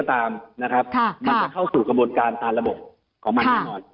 มันจะเข้าสู่กระบวนการตามระบบของมันด้วย